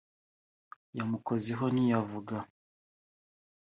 yamukozeho ntiyavuga